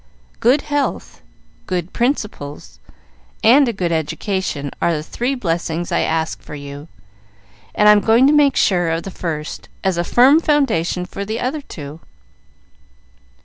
Good health, good principles, and a good education are the three blessings I ask for you, and I am going to make sure of the first, as a firm foundation for the other two."